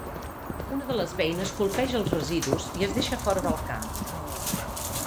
Una de les beines colpeja els residus i es deixa fora del camp.